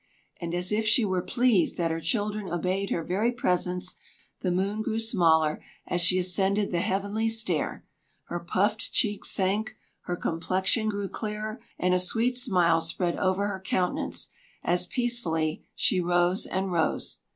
And as if she were pleased that her children obeyed her very presence, the moon grew smaller as she ascended the heavenly stair; her puffed cheeks sank, her complexion grew clearer, and a sweet smile spread over her countenance, as peacefully she rose and rose.